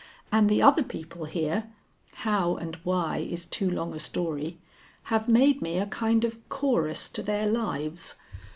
And the other people here how and why is too long a story have made me a kind of chorus to their lives.